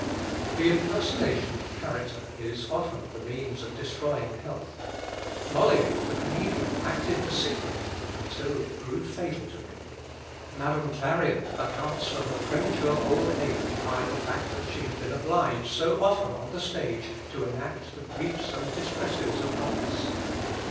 The impersonation of character is often the means of destroying health. Molière, the comedian, acted the sick man until it proved fatal to him. Madame Clarion accounts for her premature old age by the fact that she had been obliged so often on the stage to enact the griefs and distresses of others.